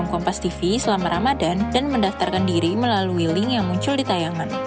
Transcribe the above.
kompas tv juga mendapatkan tiket mudi gratis dari teman pulang kampung